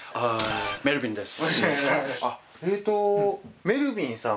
メルビンです。